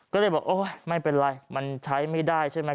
ก็เลยบอกโอ๊ยไม่เป็นไรมันใช้ไม่ได้ใช่ไหม